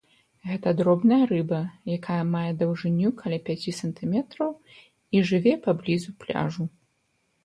Гэта дробная рыба, якая мае даўжыню каля пяці сантыметраў, і жыве паблізу пляжу.